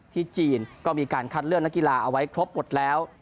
จีนก็มีการคัดเลือกนักกีฬาเอาไว้ครบหมดแล้ว